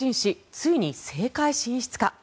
ついに政界進出か。